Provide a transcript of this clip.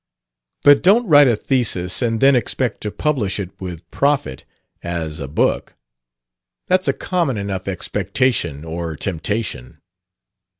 "But don't write a thesis and then expect to publish it with profit as a book. That's a common enough expectation or temptation."